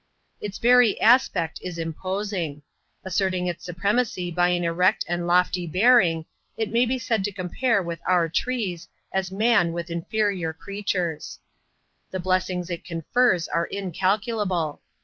Its very aspect is imposing. Asserting its supremacy by an erect and lofty bearing, it may be said to compare with other trees, as man with inferior creatures. The blessings it confers are incalculable.